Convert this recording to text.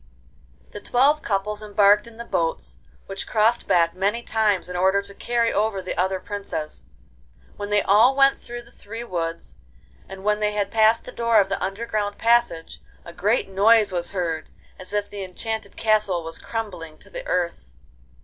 The twelve couples embarked in the boats, which crossed back many times in order to carry over the other princes. Then they all went through the three woods, and when they had passed the door of the underground passage a great noise was heard, as if the enchanted castle was crumbling to the earth.